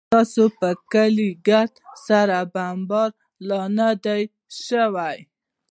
ستاسو پر کلي ګرد سره بمبارد لا نه دى سوى.